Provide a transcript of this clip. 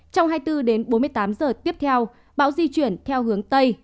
trong hai mươi bốn đến bốn mươi tám giờ tiếp theo bão di chuyển theo hướng tây